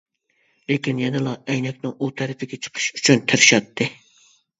لېكىن يەنىلا ئەينەكنىڭ ئۇ تەرىپىگە چىقىش ئۈچۈن تىرىشاتتى.